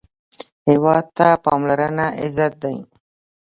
هېواد ته پاملرنه عزت دی